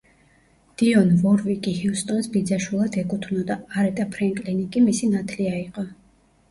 დიონ ვორვიკი ჰიუსტონს ბიძაშვილად ეკუთვნოდა, არეტა ფრენკლინი კი მისი ნათლია იყო.